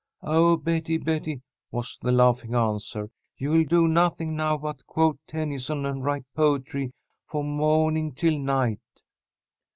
"Oh, Betty, Betty!" was the laughing answer. "You'll do nothing now but quote Tennyson and write poetry from mawning till night."